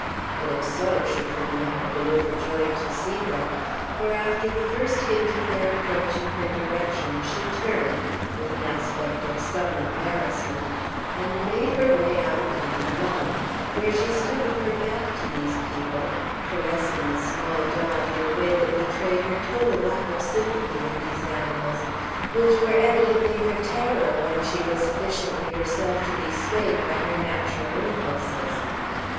But if so, she could not have been overjoyed to see them, for after the first hint of their approach in her direction she turned, with an aspect of some embarrassment, and made her way out upon the lawn, where she stood with her back to these people, caressing a small dog in a way that betrayed her total lack of sympathy with these animals, which were evidently her terror when she was sufficiently herself to be swayed by her natural impulses.